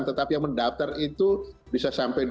tetapi yang mendaftar itu bisa sampai dua ratus an tiga ratus an